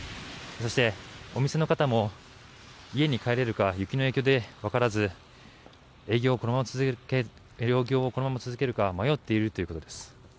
そして、お店の方も家に帰れるか雪の影響でわからず営業をこのまま続けるか迷っているということです。